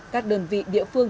các đơn vị địa phương